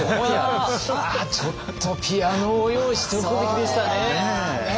ああちょっとピアノを用意しておくべきでしたね。